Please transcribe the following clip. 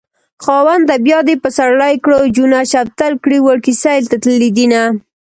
خاونده بيا دې پسرلی کړو جونه شفتل کړي وړکي سيل ته تللي دينه